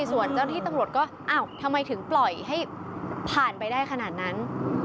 ส่วนเจ้าหน้าที่ตำรวจก็อ้าวทำไมถึงปล่อยให้ผ่านไปได้ขนาดนั้น